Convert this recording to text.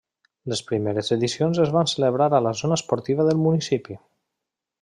Les primeres edicions es van celebrar a la zona esportiva del municipi.